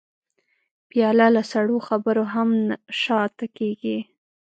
پیاله له سړو خبرو هم نه شا ته کېږي.